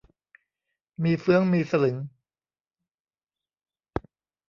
มีเฟื้องมีสลึง